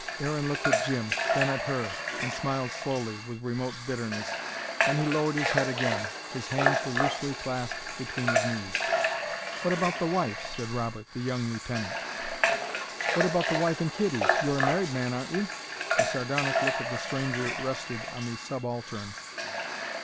Aaron looked at Jim, then at her, and smiled slowly, with remote bitterness. Then he lowered his head again. His hands were loosely clasped between his knees. "What about the wife?" said Robert the young lieutenant. "What about the wife and kiddies? You're a married man, aren't you?" The sardonic look of the stranger rested on the subaltern.